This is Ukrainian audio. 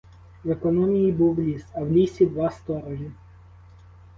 В економії був ліс, а в лісі два сторожі.